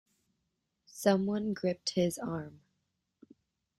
Someone gripped his arm.